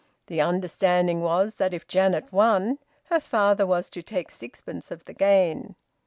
The understanding was that if Janet won, her father was to take sixpence of the gain.